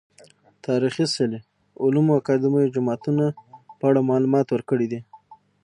تاريخي څلي، علومو اکادميو، جوماتونه په اړه معلومات ورکړي دي .